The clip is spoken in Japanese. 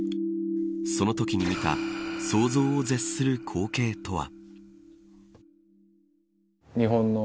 そのときに見た想像を絶する光景とは。